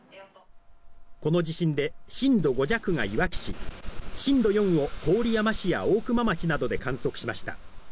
この地震で、震度５弱がいわき市、震度４を郡山市や大熊町などで観測しました。